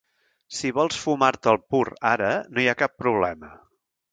Si vols fumar-te el pur ara, no hi ha cap problema.